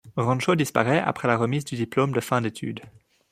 Rancho disparait après la remise du diplôme de fin d'étude.